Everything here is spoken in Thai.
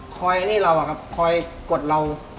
ไอ้นี่เราอะครับคอยกดเรา